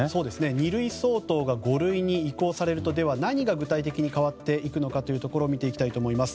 二類相当が五類に移行されるとでは、何が具体的に変わっていくのかを見ていきたいと思います。